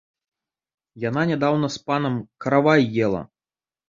Яна нядаўна з панам каравай ела!